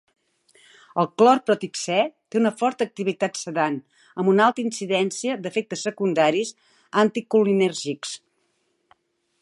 El clorprotixè té una forta activitat sedant amb una alta incidència d'efectes secundaris anticolinèrgics.